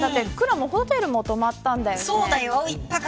ホテルも泊まったんだよね。